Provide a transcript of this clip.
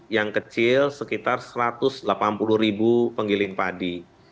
yang kecil sekitar satu ratus delapan puluh pengiling padi